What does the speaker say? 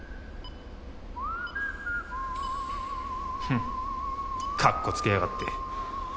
フンッかっこつけやがって。